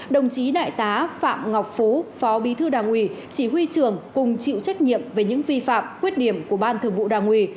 đồng chí đại tá phạm ngọc phú phó bí thư đảng ủy chỉ huy trưởng cùng chịu trách nhiệm về những vi phạm khuyết điểm của ban thường vụ đảng ủy